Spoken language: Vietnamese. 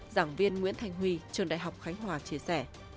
giảng viên nguyễn thanh huy trường đại học khánh hòa chia sẻ